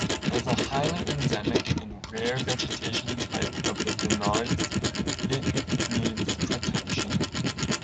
As a highly endemic and rare vegetation type of the Dinarids it needs protection.